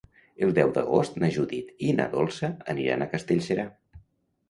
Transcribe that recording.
El deu d'agost na Judit i na Dolça aniran a Castellserà.